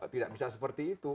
tidak bisa seperti itu